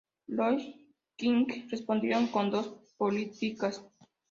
Los Qing respondieron con dos políticas.